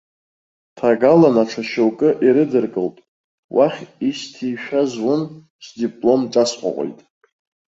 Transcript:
Ҭагалан аҽа шьоукы ирыдыркылт, уахь исҭишәа зун, сдиплом ҿасҟәаҟәеит.